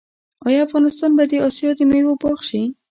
آیا افغانستان به د اسیا د میوو باغ شي؟